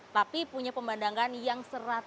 tapi punya pemandangan yang